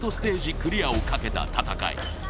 クリアをかけた戦い。